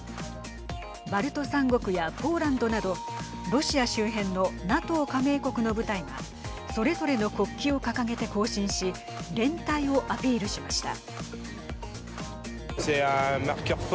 バルト３国やポーランドなどロシア周辺のＮＡＴＯ加盟国の部隊がそれぞれの国旗を掲げて行進し連帯をアピールしました。